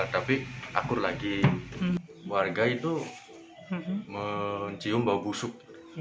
tapi akur lagi warga itu mencium bau busuk